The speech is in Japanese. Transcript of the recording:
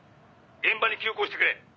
「現場に急行してくれ」